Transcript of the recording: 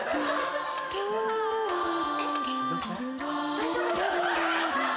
大丈夫ですか？